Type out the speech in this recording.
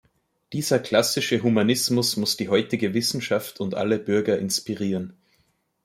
Dieser klassische Humanismus muss die heutige Wissenschaft und alle Bürger inspirieren.